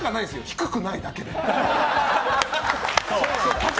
低くないだけで。